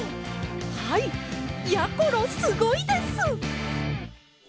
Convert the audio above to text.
はいやころすごいです！